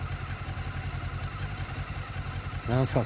何すか？